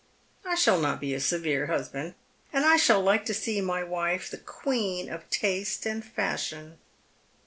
I shall not be a severe husband, and I shall like to see my ^vif e the queen of taste and fasliion."